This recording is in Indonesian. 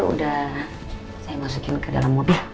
udah saya masukin ke dalam mobil